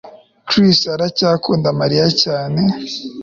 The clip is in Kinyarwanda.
Chris aracyakunda Mariya cyane